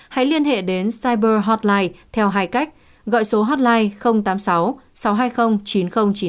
hãy liên hệ đến cyberhotline theo hai cách gọi số hotline tám mươi sáu sáu trăm hai mươi chín nghìn chín mươi tám